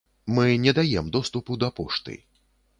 Мы не даем доступу да пошты.